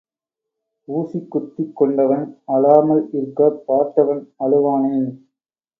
ஊசி குத்திக் கொண்டவன் அழாமல் இருக்கப் பார்த்தவன் அழுவானேன்?